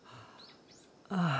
ああ！